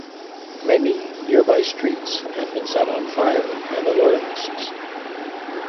Many nearby streets had been set on fire by the loyalists.